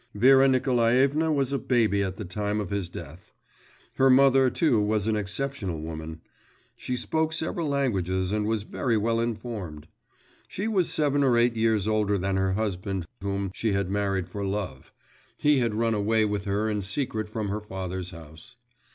Vera Nikolaevna was a baby at the time of his death. Her mother too was an exceptional woman; she spoke several languages, and was very well informed. She was seven or eight years older than her husband whom she had married for love; he had run away with her in secret from her father's house.